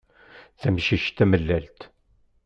Tamcict tamellalt.